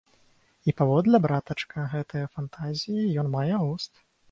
І паводле, братачка, гэтай фантазіі ён мае густ.